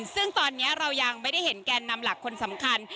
ซึ่งตอนนี้เรายังไม่ได้เห็นแกนนำหลักคนสำคัญ